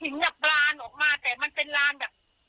หินแบบบรานออกมาแต่มันเป็นร้านแบบ